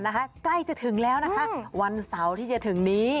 ใกล้จะถึงแล้วนะคะวันเสาร์ที่จะถึงนี้